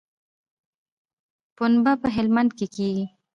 پنبه په هلمند کې کیږي